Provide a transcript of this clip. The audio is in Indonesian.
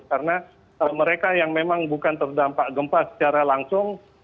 karena mereka yang memang bukan terdampak gempa secara langsung